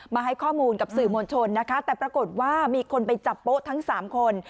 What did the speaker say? มาให้ข้อมูลกับสื่อมวลชนนะคะแต่ปรากฏว่ามีคนไปจับโป๊ะทั้งสามคน